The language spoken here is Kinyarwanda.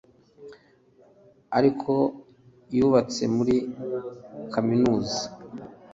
ariko yubatse muri kaminuza